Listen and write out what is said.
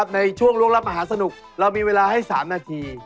ในช่วงล่วงรับมหาสนุกเรามีเวลาให้๓นาที